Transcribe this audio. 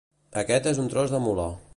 Aquest és un tros de mula.